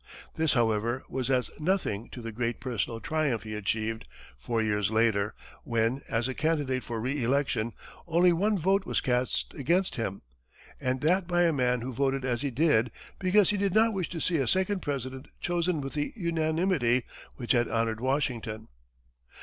This, however, was as nothing to the great personal triumph he achieved four years later, when, as a candidate for re election, only one vote was cast against him, and that by a man who voted as he did because he did not wish to see a second President chosen with the unanimity which had honored Washington.